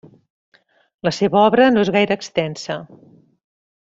La seva obra no és gaire extensa.